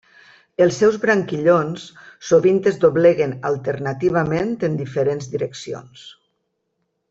Els seus branquillons sovint es dobleguen alternativament en diferents direccions.